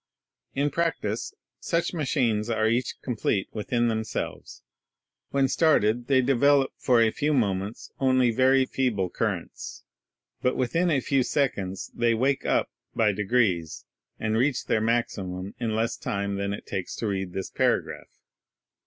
In prac tice such machines are each complete within themselves. When started they develop for a few moments only very feeble currents; but within a few seconds they "wake up" by degrees, and reach their maximum in less time than it takes to read this paragraph.